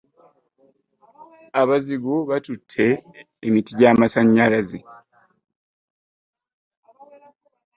Abazigu baatute emitti gy'amasanyalaze.